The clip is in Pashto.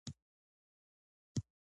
دولت باید پنځه سوه زره پیسې چاپ کړي